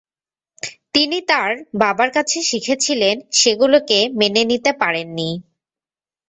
তিনি তাঁর বাবার কাছে শিখেছিলেন, সেগুলিকে মেনে নিতে পারেন নি।